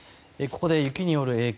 ここで雪による影響